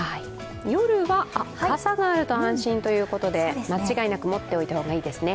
夜は傘があると安心ということで、間違いなく持っておいた方がいいですね。